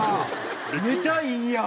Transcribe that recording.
めちゃいいやん！